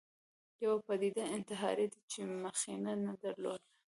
یوه پدیده انتحار دی چې مخینه نه درلوده